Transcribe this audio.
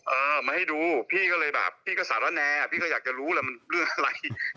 เออมาให้ดูพี่ก็เลยแบบพี่ก็สารแนพี่ก็อยากจะรู้แหละมันเรื่องอะไร